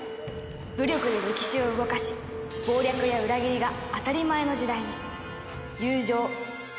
武力で歴史を動かし謀略や裏切りが当たり前の時代に。